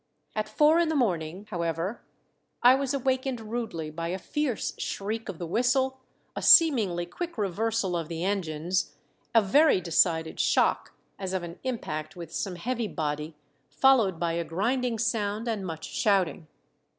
At four in the morning, however, I was awakened rudely by a fierce shriek of the whistle, a seemingly quick reversal of the engines, a very decided shock as of an impact with some heavy body, followed by a grinding sound, and much shouting.